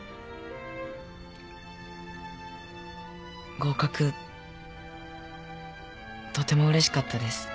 合格とてもうれしかったです。